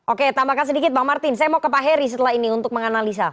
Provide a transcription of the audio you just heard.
oke tambahkan sedikit bang martin saya mau ke pak heri setelah ini untuk menganalisa